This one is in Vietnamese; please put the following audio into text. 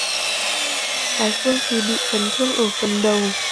cái Phương thì bị chấn thương ở phần đầu